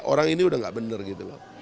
orang ini udah gak bener gitu loh